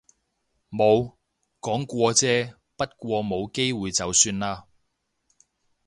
冇，講過啫。不過冇機會就算喇